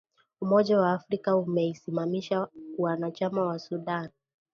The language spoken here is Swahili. Umoja wa Afrika umeisimamisha uanachama wa Sudan